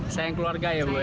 sayang keluarga ya bu ya